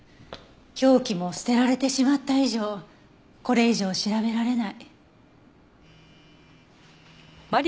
凶器も捨てられてしまった以上これ以上調べられない。